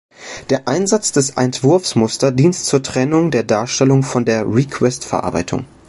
Der Einsatz des Entwurfsmuster dient zur Trennung der Darstellung von der Request-Verarbeitung.